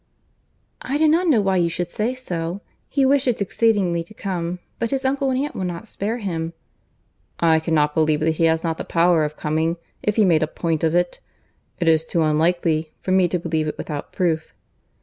"I do not know why you should say so. He wishes exceedingly to come; but his uncle and aunt will not spare him." "I cannot believe that he has not the power of coming, if he made a point of it. It is too unlikely, for me to believe it without proof."